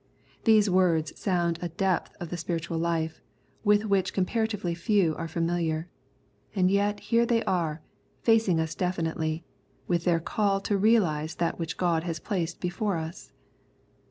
These words sound a depth of the spiritual life with which com paratively few are familiar ; and yet here they are, facing us definitely, with their call to realise that which God has placed before us.